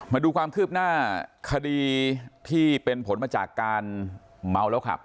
มาดูความคืบหน้าคดีที่เป็นผลมาจากการเมาแล้วขับ